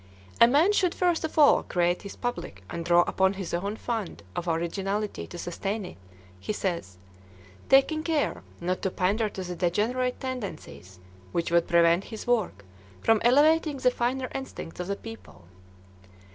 "A man should first of all create his public and draw upon his own fund of originality to sustain it," he says, "taking care not to pander to the degenerate tendencies which would prevent his work from elevating the finer instincts of the people."